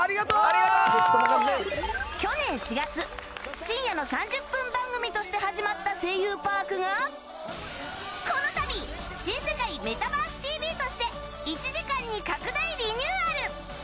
去年４月深夜の３０分番組として始まった「声優パーク」がこのたび、「新世界メタバースＴＶ！！」として１時間に拡大リニューアル！